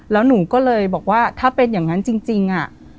แล้วหนูก็เลยบอกว่าถ้าเป็นอย่างนั้นจริง